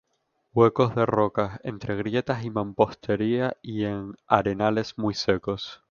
Huecos de rocas, entre grietas de mampostería y en arenales muy secos.